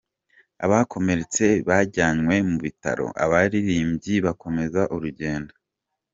Abakomeretse bajyanywe mu bitaro, abaririmbyi bakomeza urugendo.